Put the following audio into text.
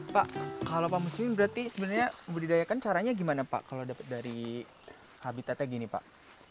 pak kalau pak muslimin berarti sebenarnya membudidayakan caranya gimana pak kalau dapat dari habitatnya gini pak